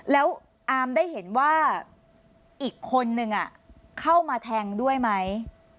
แล้วอามได้เห็นว่าอีกคนนึงเข้ามาแทงด้วยไหม